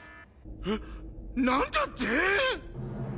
えっなんだって！？